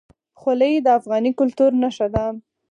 خولۍ د افغاني کلتور نښه ده.